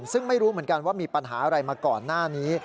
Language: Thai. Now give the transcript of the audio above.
ซึ่งไม่รู้เหมือนกันว่ามีปัญหาอะไรมาก่อนหน้านี้